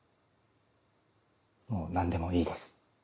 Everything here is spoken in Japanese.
「もう何でもいいです」。